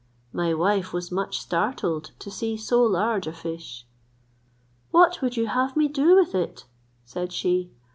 My wife was much startled to see so large a fish. "What would you have me do with it?" said she.